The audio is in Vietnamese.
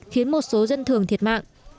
khiến một số dân thường thiệt mạng